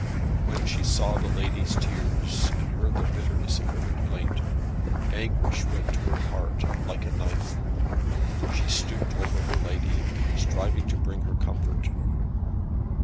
When she saw the lady's tears, and heard the bitterness of her complaint, anguish went to her heart, like a knife. She stooped over her lady, striving to bring her comfort.